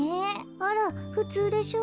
あらふつうでしょ？